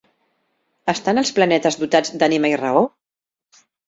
Estan els planetes dotats d'ànima i raó?